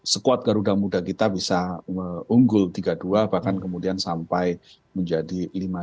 skuad garuda muda kita bisa unggul tiga dua bahkan kemudian sampai menjadi lima